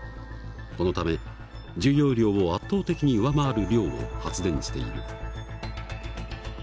このため需要量を圧倒的に上回る量を発電している。